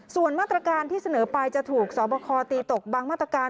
ส่วนมาตรการที่เสนอไปจะถูกสอบคอตีตกบางมาตรการ